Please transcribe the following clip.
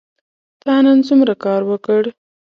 تا نن څومره کار وکړ ؟